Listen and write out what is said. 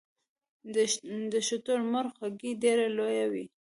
د شترمرغ هګۍ ډیره لویه وي